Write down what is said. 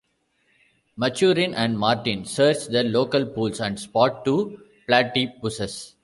Maturin and Martin search the local pools and spot two platypuses.